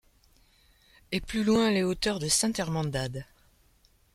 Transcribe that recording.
Et plus loin les hauteurs de Saint-Hermandad !